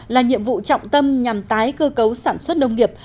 là nhiệm vụ trọng tâm nhằm tái cơ cấu sản xuất nông nghiệp